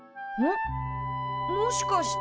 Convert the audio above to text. もしかして。